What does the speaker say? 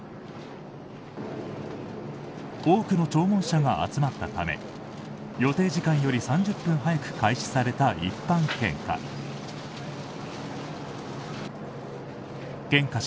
多くの弔問者が集まったため予定時間より３０分早く開始された一般献花。